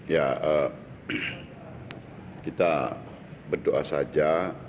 ya kita berdoa saja